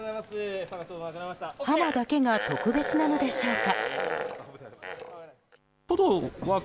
ハマだけが特別なのでしょうか。